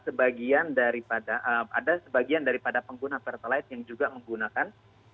sebagian daripada ada sebagian daripada pengguna pertalite yang juga menggunakan